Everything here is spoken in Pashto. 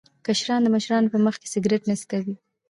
کشران د مشرانو په مخ کې سګرټ نه څکوي.